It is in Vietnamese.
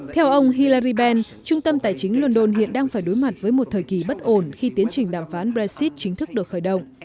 theo ông hillariben trung tâm tài chính london hiện đang phải đối mặt với một thời kỳ bất ổn khi tiến trình đàm phán brexit chính thức được khởi động